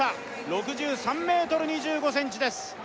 ６３ｍ２５ｃｍです